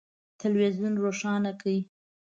تلویزون روښانه کړئ